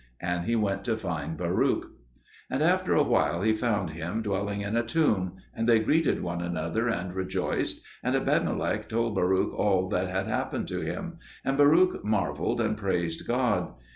And he went to find Baruch. And after a while he found him dwelling in a tomb; and they greeted one another, and rejoiced, and Ebedmelech told Baruch all that had happened to him, and Baruch marvelled and praised God.